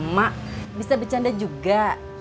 mak bisa bercanda juga